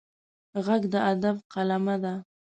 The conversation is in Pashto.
غږ د ادب قلمه ده